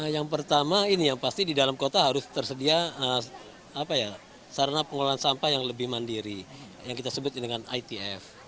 yang pertama ini yang pasti di dalam kota harus tersedia sarana pengelolaan sampah yang lebih mandiri yang kita sebut dengan itf